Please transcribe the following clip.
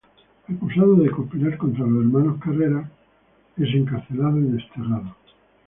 Acusado de conspirar contra los hermanos Carrera, es encarcelado y desterrado.